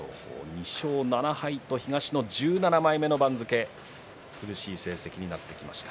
２勝７敗で東の１７枚目の番付苦しい成績になってきました。